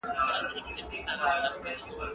تمرين د ښوونکي له خوا کېږي؟!